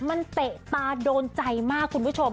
มันเตะตาโดนใจมากคุณผู้ชม